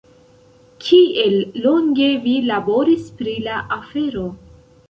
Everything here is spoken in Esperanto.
Kiel longe vi laboris pri la afero?